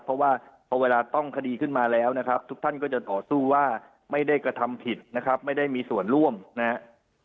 เพราะว่าพอเวลาต้องคดีขึ้นมาแล้วนะครับทุกท่านก็จะต่อสู้ว่าไม่ได้กระทำผิดนะครับไม่ได้มีส่วนร่วมนะครับ